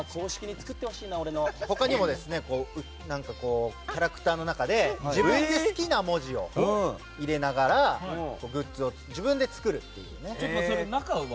他にもキャラクターの中で好きな文字を入れながらグッズを自分で作るっていうね。